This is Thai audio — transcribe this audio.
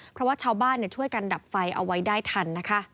เพราะว่าชาวบ้านช่วยกันดับไฟเอาไว้ได้ทันนะคะ